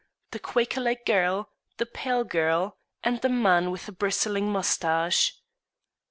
THE QUAKER LIKE GIRL, THE PALE GIRL, AND THE MAN WITH A BRISTLING MUSTACHE.